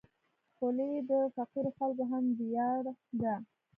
خولۍ د فقیرو خلکو هم ویاړ ده.